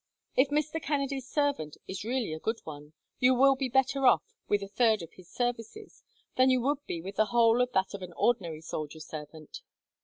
If Mr. Kennedy's servant is really a good one, you will be better off, with a third of his services, than you would be with the whole of that of an ordinary soldier servant.